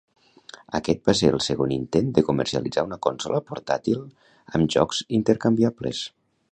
Aquest va ser el segon intent de comercialitzar una consola portàtil amb jocs intercanviables.